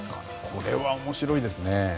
これは面白いですね。